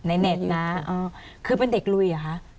เน็ตนะคือเป็นเด็กลุยเหรอคะ